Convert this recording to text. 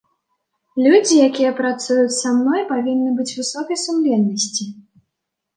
Людзі, якія працуюць са мной, павінны быць высокай сумленнасці.